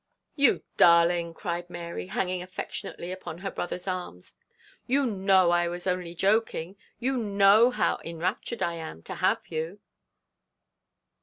'You darling,' cried Mary, hanging affectionately upon her brother's arm. 'You know I was only joking, you know how enraptured I am to have you.'